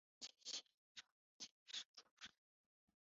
长崎县长崎市出身。